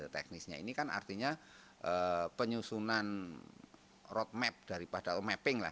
teknisnya ini kan artinya penyusunan roadmap daripada mapping lah